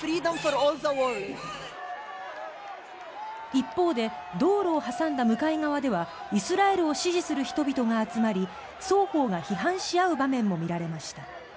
一方で道路を挟んだ向かい側ではイスラエルを支持する人々が集まり双方が批判し合う場面も見られました。